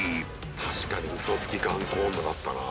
確かにウソつき頑固女だったな。